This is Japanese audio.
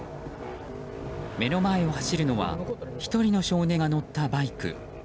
目の前を走るのは１人の少年が乗ったバイク。